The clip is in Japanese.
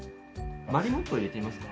マリモって入れてみますか？